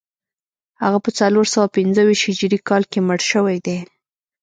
هغه په څلور سوه پنځه ویشت هجري کال کې مړ شوی دی